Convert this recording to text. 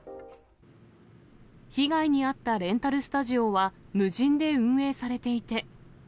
被害に遭ったレンタルスタジオは、無人で運営されていて。